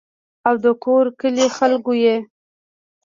او دَکور کلي خلقو ئې